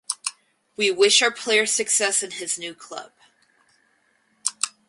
We wish our player success in his new club.